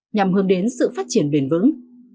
nhằm hướng đến sự phát triển bền vững